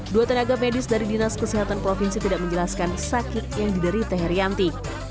dua tenaga medis dari dinas kesehatan provinsi tidak menjelaskan sakit yang diderita herianti